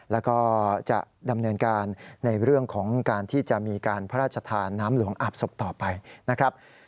แล้วก็จะดำเนินการในเรื่องของการที่จะมีการพระราชทานน้ำหลวงอาบศพต่อไปนะครับ